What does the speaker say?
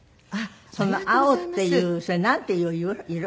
その青っていうそれはなんていう色？